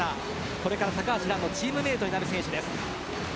高橋藍のチームメイトになる選手です。